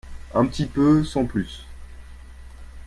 Un petit peu sans plus.